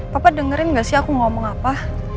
papa dengerin gak sih aku ngomong apa